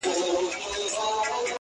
o بنگړي نه غواړم ـ